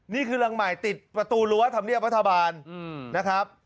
นี่คือรังใหม่ติดประตูรั้วธรรมเนียบรัฐบาลนะครับ